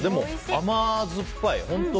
甘酸っぱい本当